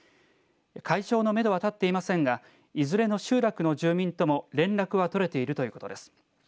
解消のめどは立っていませんがいずれの集落の住民とも連絡は取れているということです。